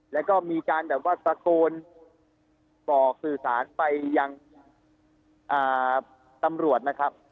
แล้วก็มีการแบบว่าตะโกนบอกสื่อสารไปยังตำรวจนะครับ